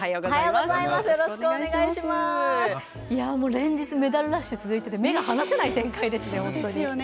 連日メダルラッシュ続いていて目が離せない展開ですね。